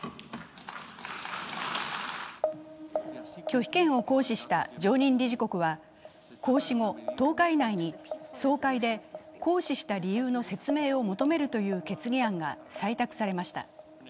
拒否権を行使した常任理事国は行使後１０日以内に総会で行使した理由の説明を求めるという決議案が採択されました。